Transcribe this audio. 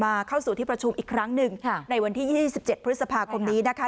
เข้าสู่ที่ประชุมอีกครั้งหนึ่งในวันที่๒๗พฤษภาคมนี้นะคะ